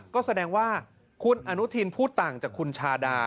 ก็แสดงว่าคุณอนุทินพูดต่างจากคุณชาดา